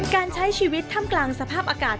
การใช้ชีวิตถ้ำกลางสภาพอากาศ